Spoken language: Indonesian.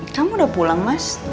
kamu udah pulang mas